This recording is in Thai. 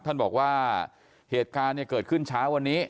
ท่านบอกว่าเหตุการณ์เกิดขึ้นเช้าวันนี้